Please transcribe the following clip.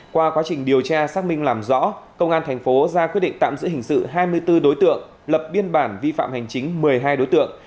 qua quá trình điều tra xác minh làm rõ công an thành phố ra quyết định tạm giữ hình sự hai mươi bốn đối tượng lập biên bản vi phạm hành chính một mươi hai đối tượng